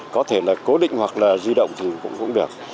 có thể là cố định hoặc là di động thì cũng được